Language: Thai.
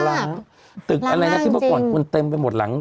ล้างตึกมันเต็มไปหมดหลัง